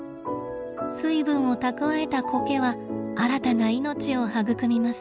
水分を蓄えたコケは新たな命を育みます。